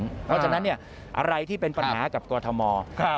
เพราะฉะนั้นอะไรที่เป็นปัญหากับกรทม